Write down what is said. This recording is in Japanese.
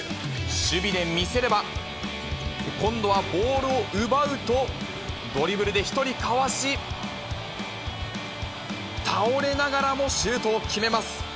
守備で見せれば、今度はボールを奪うと、ドリブルで１人かわし、倒れながらもシュートを決めます。